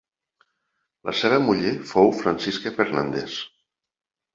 La seva muller fou Francisca Fernández.